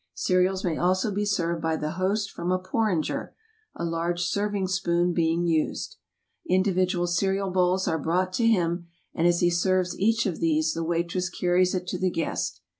Cereals may also be served by the host from a porringer, a large serving spoon being used. Individual cereal bowls are brought to him, and as he serves each of these the waitress car ries it to the guest.